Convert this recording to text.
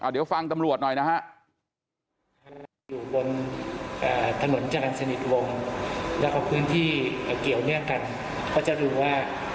เดี๋ยวฟังตำรวจหน่อยนะฮะ